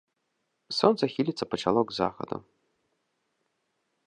Сонца хіліцца пачало к захаду.